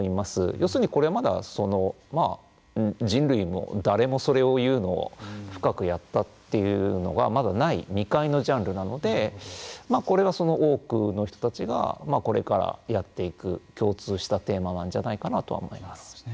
要するに、これはまだ人類の誰もそれをいうのを深くやったというのがまだない未開のジャンルなのでこれは多くの人たちがこれからやっていく、共通したテーマなんじゃないかなとは思います。